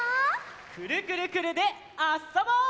「くるくるくるっ」であっそぼう！